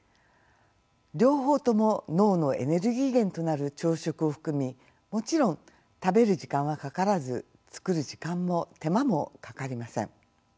両方とも脳のエネルギー源となる糖質を含みもちろん食べる時間はかからず作る時間も手間もかかりません。